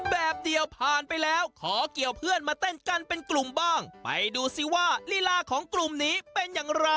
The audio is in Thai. แบบเดียวผ่านไปแล้วขอเกี่ยวเพื่อนมาเต้นกันเป็นกลุ่มบ้างไปดูสิว่าลีลาของกลุ่มนี้เป็นอย่างไร